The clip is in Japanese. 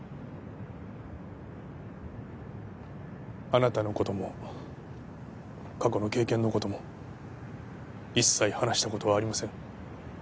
あなたの事も過去の経験の事も一切話した事はありません。